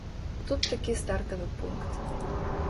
Тут такі стартавы пункт.